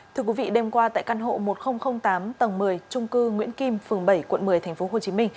thưa quý vị đêm qua tại căn hộ một nghìn tám tầng một mươi trung cư nguyễn kim phường bảy quận một mươi tp hcm